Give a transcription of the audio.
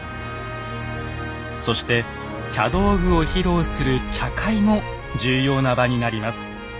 そして茶道具を披露する「茶会」も重要な場になります。